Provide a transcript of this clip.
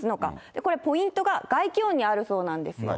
これ、ポイントが外気温にあるそうなんですよ。